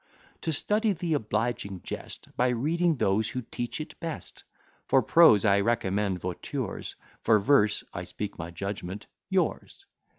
To study the obliging jest, By reading those who teach it best; For prose I recommend Voiture's, For verse (I speak my judgment) yours.